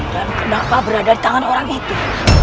dan kenapa berada di tangan orang itu